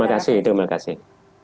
terima kasih terima kasih